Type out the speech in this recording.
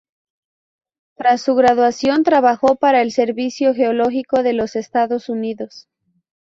Tras su graduación trabajó para el Servicio Geológico de los Estados Unidos.